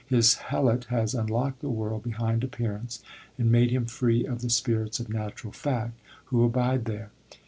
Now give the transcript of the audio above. His helot has unlocked the world behind appearance and made him free of the Spirits of Natural Fact who abide there.